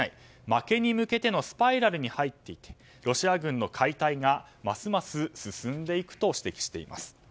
負けに向けてのスパイラルに入りロシア軍の解体がますます進んでいくと指摘しています。